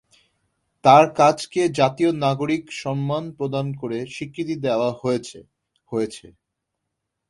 তার কাজকে জাতীয় নাগরিক সম্মান প্রদান করে স্বীকৃতি দেওয়া হয়েছে। হয়েছে।